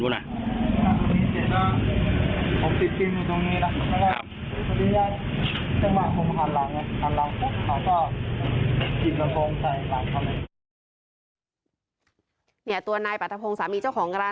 ตัวนายปรัฐพงศ์สามีเจ้าของร้าน